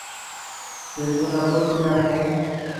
যদি কোনো আপত্তি না থাকে।